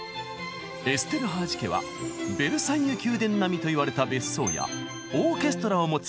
エステルハージ家はベルサイユ宮殿並みといわれた別荘やオーケストラを持つ大金持ち！